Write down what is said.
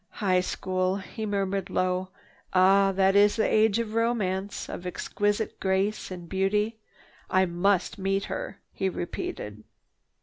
"High school," he murmured low. "Ah, that is the age of romance, of exquisite grace and beauty. I must meet her," he repeated.